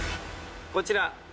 こちら。